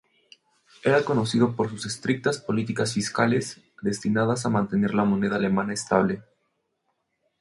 Era conocido por sus estrictas políticas fiscales, destinadas a mantener la moneda alemana estable.